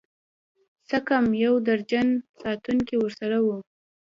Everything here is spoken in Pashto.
څه کم يو درجن ساتونکي ورسره وو.